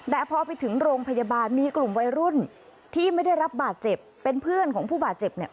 แต่พอไปถึงโรงพยาบาลมีกลุ่มวัยรุ่นที่ไม่ได้รับบาดเจ็บเป็นเพื่อนของผู้บาดเจ็บเนี่ย